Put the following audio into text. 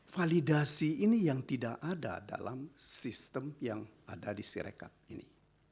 validasi ini yang tidak ada dalam sistem yang ada di sirekat ini